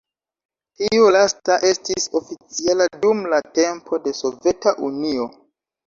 Tiu lasta estis oficiala dum la tempo de Soveta Unio.